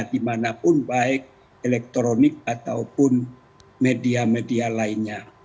dimanapun baik elektronik ataupun media media lainnya